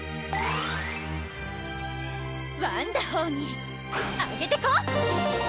ワンダホーにアゲてこ！